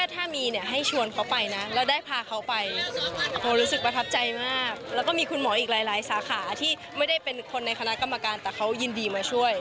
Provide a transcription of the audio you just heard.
หลังจากเดินเปิดตัวมูลนี้ไปเขาส่งไลน์มาว่าแบบ